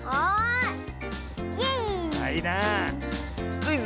「クイズ！